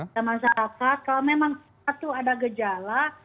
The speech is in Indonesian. dan masyarakat kalau memang satu ada gejala